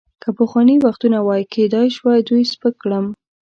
که پخواني وختونه وای، کیدای شوای دوی سپک کړم.